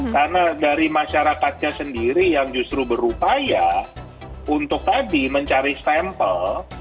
karena dari masyarakatnya sendiri yang justru berupaya untuk tadi mencari sampel